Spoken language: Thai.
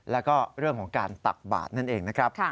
แล้วก็เรื่องของการตักบาทนั่นเองนะครับ